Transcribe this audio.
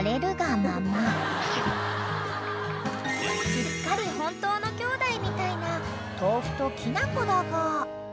［すっかり本当の兄妹みたいなとうふときなこだが］